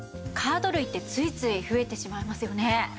カード類ってついつい増えてしまいますよね。